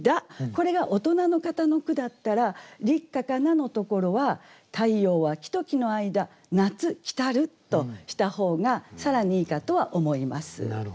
これが大人の方の句だったら「立夏かな」のところは「太陽は木と木の間夏来る」とした方が更にいいかとは思います。